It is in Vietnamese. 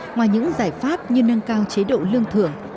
ngoài những giải pháp như nâng cao chế độ lương thưởng